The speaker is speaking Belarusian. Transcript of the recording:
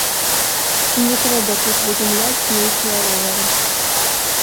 І не трэба тут выдумляць нейкія ровары.